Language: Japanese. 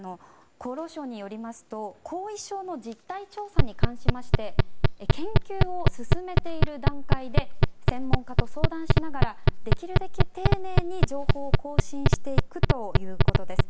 厚労省によりますと後遺症の実態調査に関しまして研究を進めている段階で専門家と相談しながらできるだけ丁寧に、情報を更新していくということです。